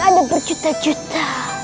ada berjuta juta